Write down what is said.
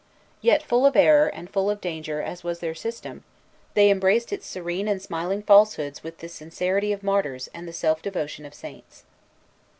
Yet, full of error and full of danger as was their system, they embraced its serene and smiling falsehoods with the sincerity of martyrs and the self devotion of saints.